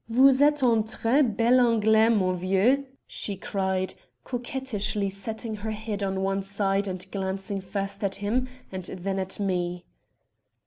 "'Vous etes un très bel Anglais, mon vieux,' she cried, coquettishly setting her head on one side and glancing first at him and then at me."